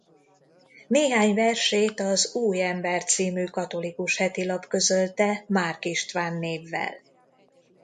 Néhány versét az Új Ember c. katolikus hetilap közölte Márk István névvel.